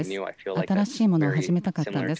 新しいものを始めたかったんです。